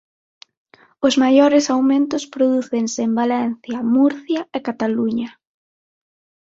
Os maiores aumentos prodúcense en Valencia, Murcia e Cataluña.